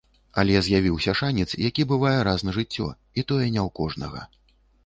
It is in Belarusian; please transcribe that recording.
Але з'явіўся шанец, які бывае раз на жыццё, і тое, не ў кожнага.